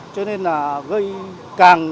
cho nên là gây càng